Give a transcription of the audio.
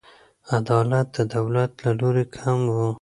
عدالت د دولت له لوري کم و.